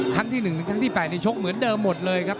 ครั้งที่๑ครั้งที่๘ในชกเหมือนเดิมหมดเลยครับ